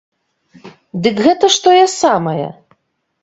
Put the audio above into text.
Дык гэта ж тое самае!